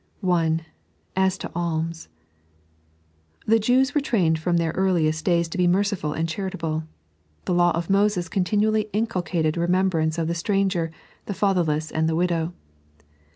(1) As to cibnt — The Jews were traioed from their earliest days to be merciful and charitable. The law of Moees con tinually inculcated remembrance of the stranger, the fatherless, and the widow.